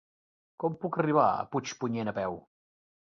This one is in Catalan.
Com puc arribar a Puigpunyent a peu?